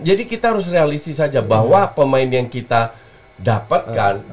jadi kita harus realistis aja bahwa pemain yang kita dapatkan